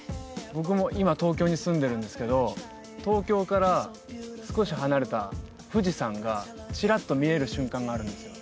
僕も今東京に住んでるんですけど東京から少し離れた富士山がちらっと見える瞬間があるんですよ